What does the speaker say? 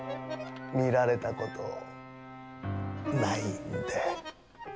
見られたことないんで。